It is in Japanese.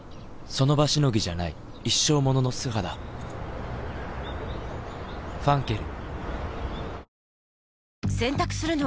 その場しのぎじゃない一生ものの素肌磧ファンケル」